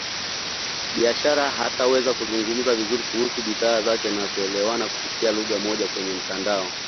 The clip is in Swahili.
biashara ataweza kuzungumza vizuri kuhusu bidhaa zake na kuelewana kupitia lugha moja kwenye mtandao